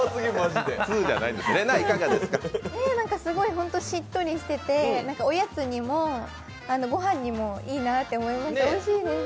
すごいしっとりしてて、おやつにもごはんにもいいなと思いました、おいしいです。